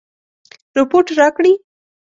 رپوټ راکړي.